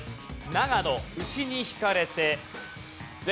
長野牛に引かれて。